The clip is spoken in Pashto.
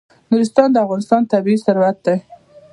نورستان د افغانستان طبعي ثروت دی.